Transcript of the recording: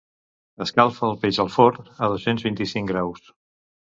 Escalfa el peix al forn a dos-cents vint-i-cinc graus.